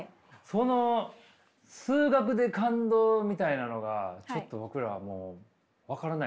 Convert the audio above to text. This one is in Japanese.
その数学で感動みたいなのがちょっと僕らはもう分からないんですけど。